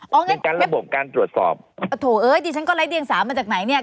เอางั้นกันระบบการตรวจสอบโอ้โหเอ้ยดิฉันก็ไร้เดียงสามาจากไหนเนี่ย